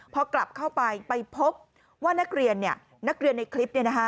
พอกลับเข้าไปไปพบว่านักเรียนนักเรียนในคลิป